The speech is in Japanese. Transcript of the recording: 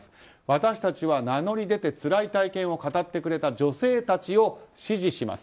私たちは、名乗り出てつらい体験を語ってくれた女性たちを支持します。